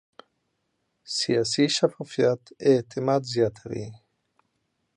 سیاسي شفافیت اعتماد زیاتوي